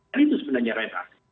dan itu sebenarnya reda